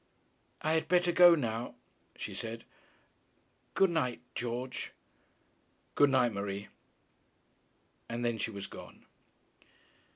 'I had better go now,' she said. 'Good night; George.' 'Good night, Marie.' And then she was gone.